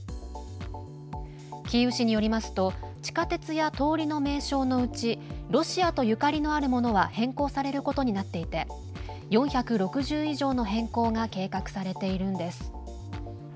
キーウ市によりますと地下鉄や通りの名称のうちロシアとゆかりのあるものは変更されることになっていて４６０以上の変更が計画されているんです。